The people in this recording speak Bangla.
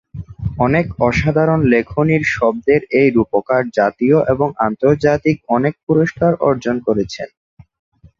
অনেক অসাধারণ লেখনীর শব্দের এই রূপকার জাতীয় এবং আন্তর্জাতিক অনেক পুরস্কার অর্জন করেছেন।